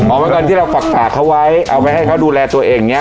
เอาไว้ก่อนที่เราฝากตากเขาไว้เอาไว้ให้เขาดูแลตัวเองเนี้ยค่ะ